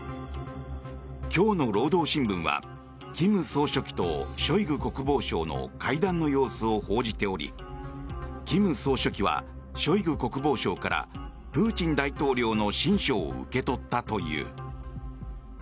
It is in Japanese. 今日の労働新聞は金総書記とショイグ国防相の会談の様子を報じており金総書記はショイグ国防相からプーチン大統領の親書を受け取ったという。